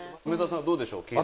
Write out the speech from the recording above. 森さんどうでしょう？